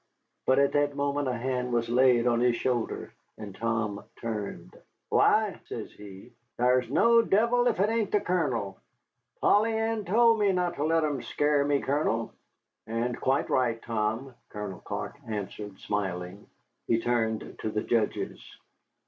But at that moment a hand was laid on his shoulder, and Tom turned. "Why," says he, "thar's no devil if it ain't the Colonel. Polly Ann told me not to let 'em scar' me, Colonel." "And quite right, Tom," Colonel Clark answered, smiling. He turned to the judges.